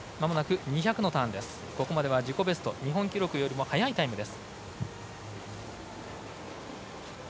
ここまでは自己ベスト日本記録よりも速いタイムです。